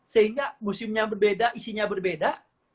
sehingga museumnya berbeda isinya berbeda